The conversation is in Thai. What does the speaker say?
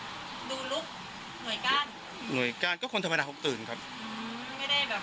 ดูลุคหน่วยการหน่วยการก็คนธรรมดาเขาตื่นครับอืมไม่ได้แบบ